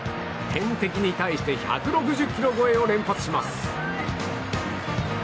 天敵に対して１６０キロ超えを連発します。